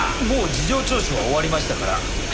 もう事情聴取は終わりましたから。